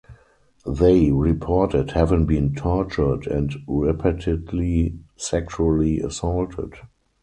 They reported having been tortured and repeatedly sexually assaulted.